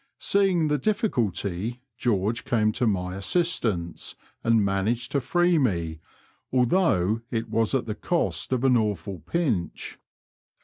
Seeing the difficulty, George came to my assistance, and managed to free me, although it was at the cost of an awful pinch.